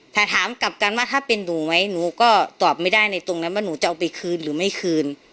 แต่ถามกลับกันว่าถ้าเป็นหนูไหมหนูก็ตอบไม่ได้ในตรงนั้นว่าหนูจะเอาไปคืนหรือไม่คืน